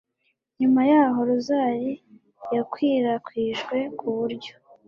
nyuma y'aho rozari yakwirakwijwe ku buryo